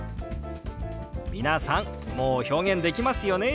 皆さんもう表現できますよね。